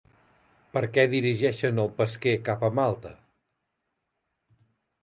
Per què dirigeixen el pesquer cap a Malta?